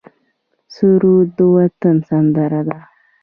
سرود د وطن سندره ده